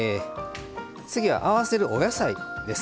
次は合わせるお野菜です。